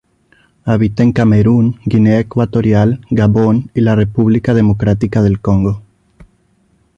Habita en Camerún, Guinea Ecuatorial, Gabón y República Democrática del Congo.